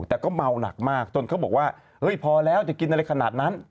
แต่ก็เมาหนักมากจนเขาบอกว่าเฮ้ยพอแล้วจะกินอะไรขนาดนั้น